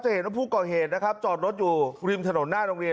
เห็นว่าผู้ก่อเหตุนะครับจอดรถอยู่ริมถนนหน้าโรงเรียน